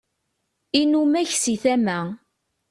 inumak si tama